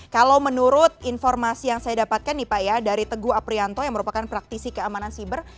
kalau menurut informasi yang saya dapatkan nih pak ya dari teguh aprianto yang merupakan praktisi keamanan siber